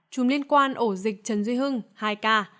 chùm liên quan ổ dịch trần duy hưng hai ca